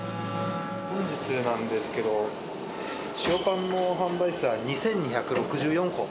本日なんですけど、塩パンの販売数は２２６４個。